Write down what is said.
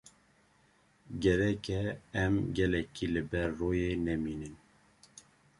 Gerek e em gelekî li ber royê nemînin.